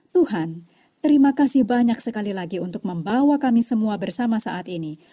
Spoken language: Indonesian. tuhan terima kasih banyak sekali lagi untuk membawa kami semua bersama saat ini